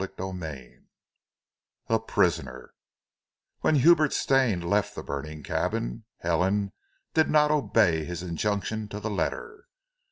CHAPTER XX A PRISONER When Hubert Stane left the burning cabin, Helen did not obey his injunctions to the letter.